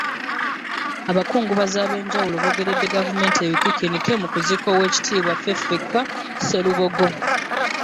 Abakungubazi ab'enjawulo boogeredde gavumenti ebikikinike mu kuziika oweekitiibwa Ffeffekka Sserubogo